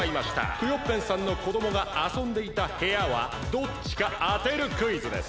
クヨッペンさんのこどもがあそんでいた部屋はどっちかあてるクイズです。